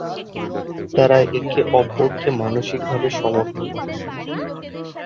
তারা একে অপরকে মানসিকভাবে সমর্থন করে।